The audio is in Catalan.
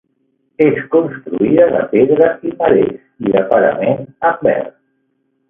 És construïda de pedra i marès i de parament en verd.